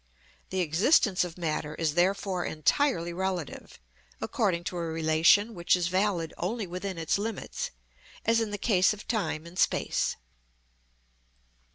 The existence of matter is therefore entirely relative, according to a relation which is valid only within its limits, as in the case of time and space.